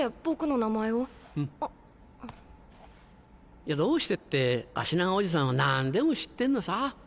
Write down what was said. いやどうしてってあしながおじさんはなんでも知ってんのさ。